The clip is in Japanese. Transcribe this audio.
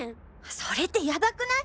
それってヤバくない？